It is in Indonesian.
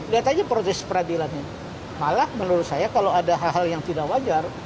lihat aja proses peradilannya malah menurut saya kalau ada hal hal yang tidak wajar